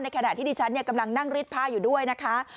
ขณะที่ดิฉันกำลังนั่งริดผ้าอยู่ด้วยนะคะ